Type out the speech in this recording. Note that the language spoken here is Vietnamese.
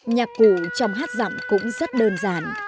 nhạc cụ trong hát giọng cũng rất đơn giản